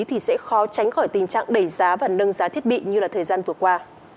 thì sẽ khó tránh khỏi tình trạng đẩy giá và nâng giá thiết bị như thời gian vừa qua